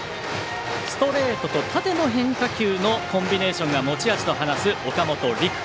ストレートと縦の変化球のコンビネーションが持ち味と話す岡本陸。